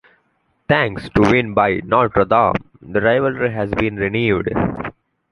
Thanks to the win by Notre Dame, the rivalry has been renewed.